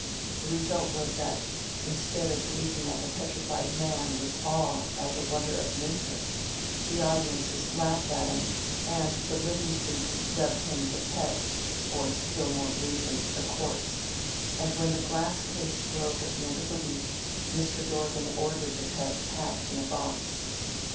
The result was that, instead of gazing at the Petrified Man with awe as a wonder of nature, the audiences laughed at him, and the living freaks dubbed him "the Pet," or, still more rudely, "the Corpse," and when the glass case broke at the end of the week, Mr. Dorgan ordered the Pet packed in a box.